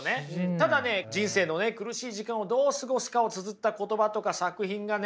ただね人生のね苦しい時間をどう過ごすかをつづった言葉とか作品がね